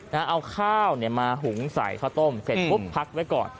เอาข้าวเนี่ยมาหุงใส่ข้าวต้มเสร็จปุ๊บพักไว้ก่อน